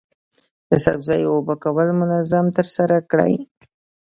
د سبزیو اوبه کول منظم ترسره کړئ.